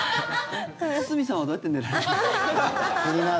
堤さんはどうやって寝られる。